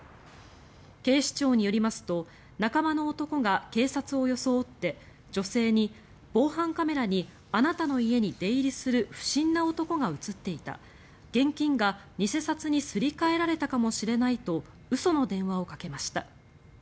警視庁によりますと仲間の男が警察を装って女性に防犯カメラにあなたの家に出入りする不審な男が映っていた現金が偽札にすり替えられたかもしれないと嘘の電話をかけました。